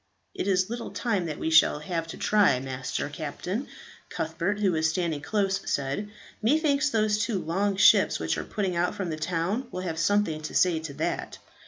"It is little time that we shall have to try, Master Captain," Cuthbert, who was standing close, said. "Methinks those two long ships which are putting out from that town will have something to say to that."